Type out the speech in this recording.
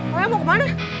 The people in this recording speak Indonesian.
kalian mau kemana